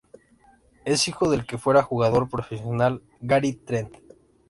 Es hijo del que fuera jugador profesional Gary Trent.